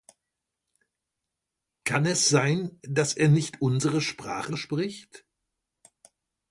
Kann es sein, dass er nicht unsere Sprache spricht?